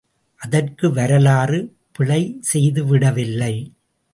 அதற்கு வரலாறு பிழைசெய்து விடவில்லை.